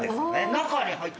中に入って？